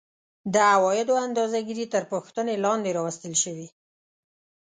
د عوایدو اندازه ګیري تر پوښتنې لاندې راوستل شوې